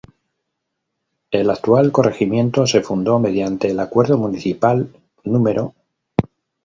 El actual corregimiento se fundó mediante el Acuerdo Municipal No.